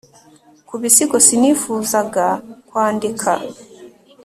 kubisigo sinifuzaga kwandika